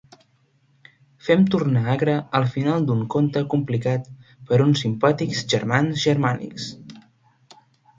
Fem tornar agre el final d'un conte compilat per uns simpàtics germans germànics.